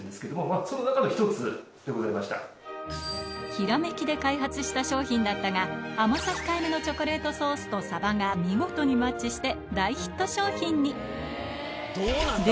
ひらめきで開発した商品だったが甘さ控えめのチョコレートソースと鯖が見事にマッチして大ヒット商品にどうなんだ？